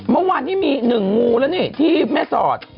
เมื่อวานนี้มี๑งูแล้วนี่ที่แม่สอด